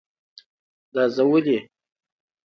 دا زه ولی؟